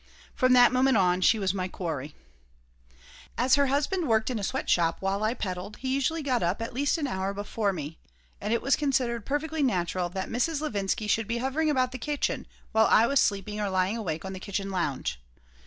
From that moment on she was my quarry As her husband worked in a sweatshop, while I peddled, he usually got up at least an hour before me. And it was considered perfectly natural that Mrs. Levinsky should be hovering about the kitchen while I was sleeping or lying awake on the kitchen lounge.